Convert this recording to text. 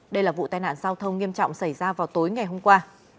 đây là vụ tai nạn giao thông nghiêm trọng xảy ra vào tối ngày hôm qua